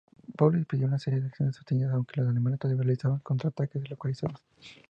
Paulus pidió una serie de acciones sostenidas, aunque los alemanes todavía realizaban contraataques localizados.